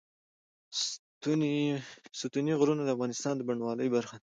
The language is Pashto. ستوني غرونه د افغانستان د بڼوالۍ برخه ده.